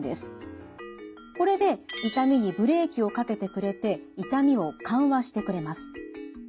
これで痛みにブレーキをかけてくれて痛みを緩和してくれます。